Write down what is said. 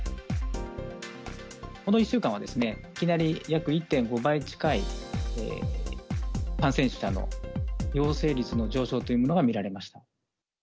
この１週間は、いきなり、約１．５倍近い感染者の陽性率の上昇というものが見られました。